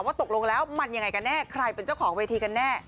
ตกลงแล้วมันยังไงกันแน่ใครเป็นเจ้าของเวทีกันแน่